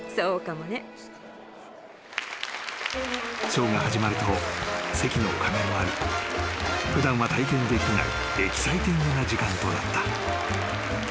［ショーが始まると席のおかげもあり普段は体験できないエキサイティングな時間となった］